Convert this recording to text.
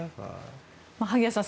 萩谷さん